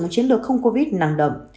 một chiến lược không covid năng động